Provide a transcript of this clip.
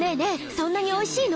そんなにおいしいの？